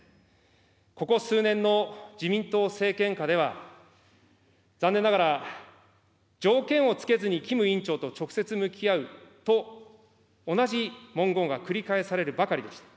ここ数年の自民党政権下では、残念ながら条件を付けずにキム委員長と直接向き合うと同じ文言が繰り返されるばかりでした。